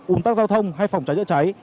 ung tắc giao thông hay phòng cháy chữa cháy